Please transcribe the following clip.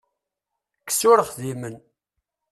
Kkes ur xdimen.